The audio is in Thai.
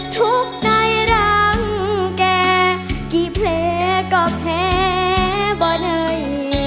ทุกใดรังแก่กี่เพลกก็แพ้บ่ดเฮ้ย